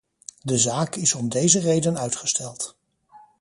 De zaak is om deze reden uitgesteld.